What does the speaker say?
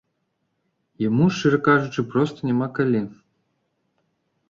Яму, шчыра кажучы, проста няма калі.